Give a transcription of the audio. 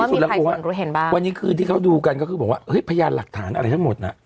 อืมวันนี้คือที่เขาดูกันก็คือบอกว่าเฮ้ยพยานหลักฐานอะไรทั้งหมดน่ะ